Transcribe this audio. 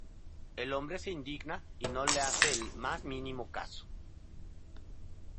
El hombre se indigna y no le hace el más mínimo caso.